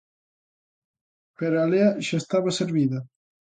Pero a lea xa estaba servida.